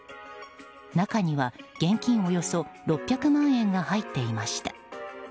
中には現金およそ６００万円が入っていました。